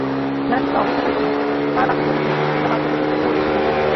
যারা কিছুটা অবস্থাপন্ন তারা ডাক্তার দেখাতে কিংবা বাচ্চা প্রসব করতেও এসে থাকে।